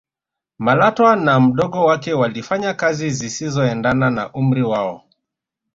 malatwa na mdogo wake walifanya kazi zisizoendana na umri wao